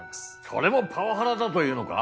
それもパワハラだというのか？